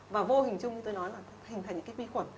và vô hình chung như tôi nói là hình thành những cái vi khuẩn